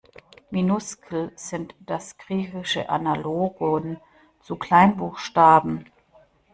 Minuskel sind das griechische Analogon zu Kleinbuchstaben.